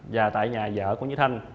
và tại nhà vợ của nguyễn trí thanh